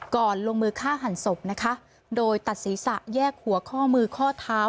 ลงมือฆ่าหันศพนะคะโดยตัดศีรษะแยกหัวข้อมือข้อเท้า